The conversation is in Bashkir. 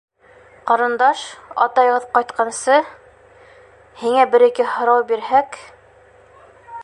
Ҡарындаш, атайығыҙ ҡайтҡансы... һиңә бер-ике һорау бирһәк...